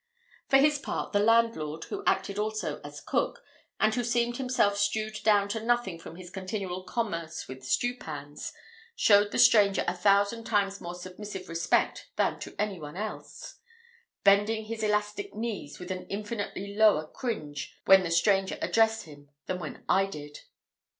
For his part, the landlord, who acted also as cook, and who seemed himself stewed down to nothing from his continual commerce with stew pans, showed the stranger a thousand times more submissive respect than to any one else, bending his elastic knees with an infinitely lower cringe when the stranger addressed him than when I did.